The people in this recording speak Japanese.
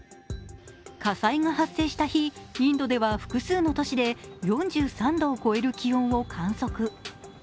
火災が発生した日、インドでは複数の都市で４３度を超える気温を観測。